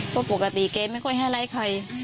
เพราะปกติแกไม่ค่อยให้ร้ายใคร